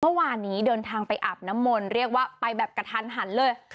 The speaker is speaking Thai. เมื่อวานนี้เดินทางไปอาบน้ำมนต์เรียกว่าไปแบบกระทันหันเลย